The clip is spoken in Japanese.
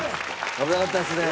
危なかったですね。